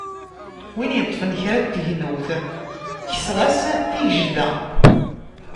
Win yeṭṭfen kra n tegnewt, kkseɣ-as tigejda.